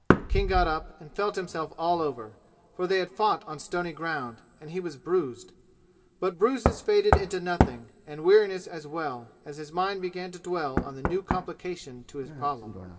King got up and felt himself all over, for they had fought on stony ground and he was bruised. But bruises faded into nothing, and weariness as well, as his mind began to dwell on the new complication to his problem.